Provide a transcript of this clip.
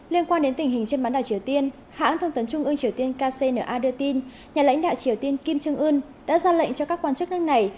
liên quan đến tình hình trên bán đảo triều tiên hãng thông tấn trung ương triều tiên kcna đưa tin nhà lãnh đạo triều tiên kim trương ưn đã ra lệnh cho các quan chức nước này